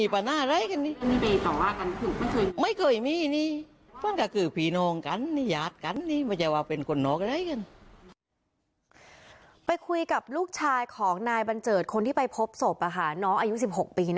ไปคุยกับลูกชายของนายบัญเจิดคนที่ไปพบศพน้องอายุ๑๖ปี